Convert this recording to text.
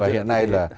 và hiện nay là